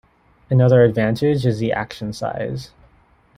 Another advantage is the action size.